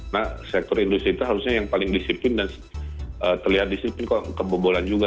nah sektor industri itu harusnya yang paling disiplin dan terlihat disiplin kok kebobolan juga